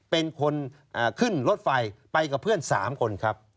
เป็นคนขึ้นรถไฟไปกับเพื่อน๓คนครับ